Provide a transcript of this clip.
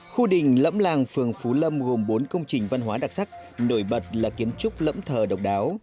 khu đình lẫm làng phường phú lâm gồm bốn công trình văn hóa đặc sắc nổi bật là kiến trúc lẫm thờ độc đáo